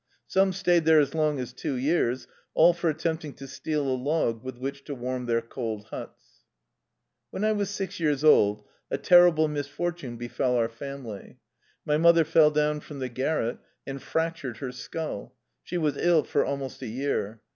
Some stayed there as long as two years — all for attempting to steal a log with which to warm their cold huts. When I was six years old a terrible misfor tune befell our family. My mother fell down from the garret and fractured her skull. She was ill for almost a year.